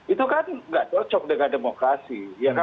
itu kan nggak cocok dengan demokrasi